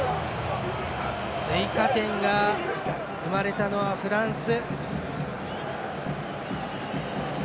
追加点が生まれたのはフランス。